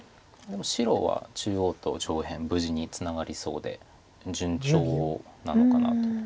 もう白は中央と上辺無事にツナがりそうで順調なのかなという。